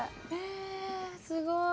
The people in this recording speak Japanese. すごい。